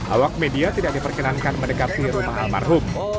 awak media tidak diperkenankan mendekati rumah almarhum